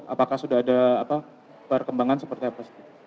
apakah sudah ada perkembangan seperti apa